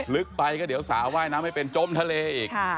ลึกไปก็เดี๋ยวสาวว่ายน้ำไม่เป็นจมทะเลอีก